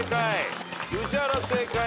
宇治原正解。